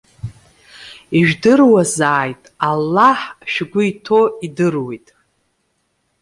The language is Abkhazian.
Ижәдыруазааит, Аллаҳ шәгәы иҭоу идыруеит.